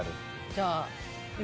じゃあ。え？